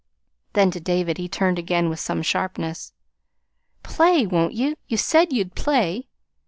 Then to David he turned again with some sharpness. "Play, won't ye? You SAID you'd play!"